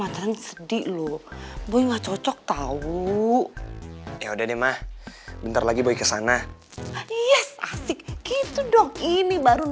terus sengaja nih datengnya terlambat